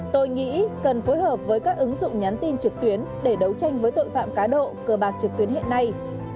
tôi nghĩ cần phối hợp với các ứng dụng nhắn tin trực tuyến để đấu tranh với tội phạm cá độ cờ bạc trực tuyến hiện nay